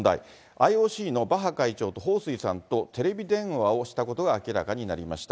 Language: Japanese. ＩＯＣのバッハ会長と彭帥さんとテレビ電話をしたことが明らかになりました。